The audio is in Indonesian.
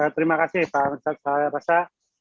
terima kasih pak saya rasa